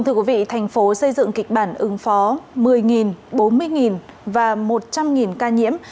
thành phố xây dựng kịch bản ứng phó một mươi bốn mươi và một trăm linh ca nhiễm